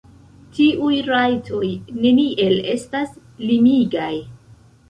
Tiuj rajtoj neniel estas limigaj.